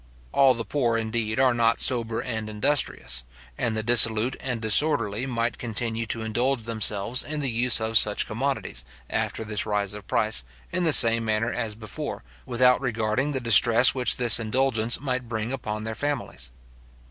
All the poor, indeed, are not sober and industrious; and the dissolute and disorderly might continue to indulge themselves in the use of such commodities, after this rise of price, in the same manner as before, without regarding the distress which this indulgence might bring upon their families.